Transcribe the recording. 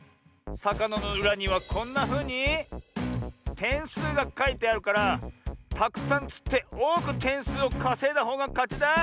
さかなのうらにはこんなふうにてんすうがかいてあるからたくさんつっておおくてんすうをかせいだほうがかちだ。